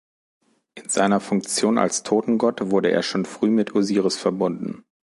In seiner Funktion als Totengott wurde er schon früh mit Osiris verbunden.